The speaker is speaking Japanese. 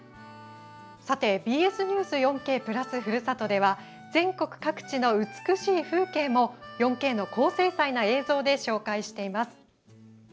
さて「ＢＳニュース４Ｋ＋ふるさと」では全国各地の美しい風景も４Ｋの高精細な映像で紹介しています。